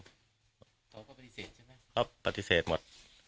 เขาก็ปฏิเสร็จใช่มั้ยครับปฏิเสธหมด